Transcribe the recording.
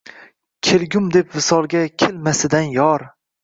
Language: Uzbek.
Kelgum, deb visolga kelmasidan yor